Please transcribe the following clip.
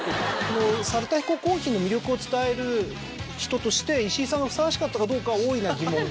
猿田彦珈琲の魅力を伝える人として石井さんがふさわしかったかどうかは大いなる疑問が。